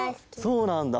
そうなんだ！